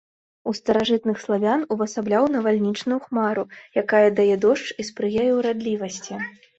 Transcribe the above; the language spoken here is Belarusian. У старажытных славян увасабляў навальнічную хмару, якая дае дождж і спрыяе ўрадлівасці.